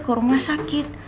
kalau enggak sakit